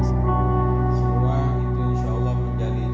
tanda suara masing masing